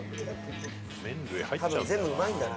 多分全部うまいんだな。